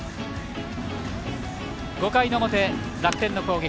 ５回の表、楽天の攻撃。